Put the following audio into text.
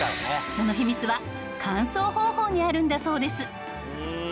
その秘密は乾燥方法にあるんだそうです。